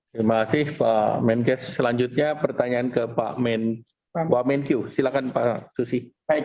terima kasih pak menkes selanjutnya pertanyaan ke pak wamenkyu silakan pak susi